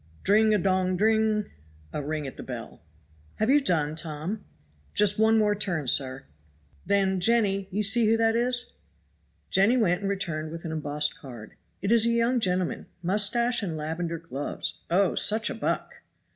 "Dring a dong dring" (a ring at the bell). "Have you done, Tom?" "Just one more turn, sir." "Then, Jenny, you see who that is?" Jenny went and returned with an embossed card, "It is a young gentleman mustache and lavender gloves; oh, such a buck!"